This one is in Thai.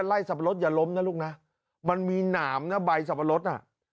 สับปะรดอย่าล้มนะลูกนะมันมีหนามนะใบสับปะรดน่ะ